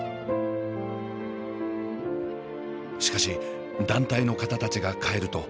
しかし団体の方たちが帰ると。